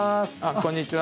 こんにちは